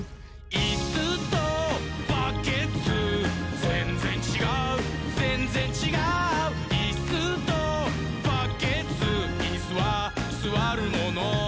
「いっすーとバッケツーぜんぜんちがうぜんぜんちがう」「いっすーとバッケツーイスはすわるもの」